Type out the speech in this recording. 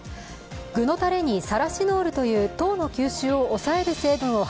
具のたれにサラシノールという糖の吸収を抑える成分を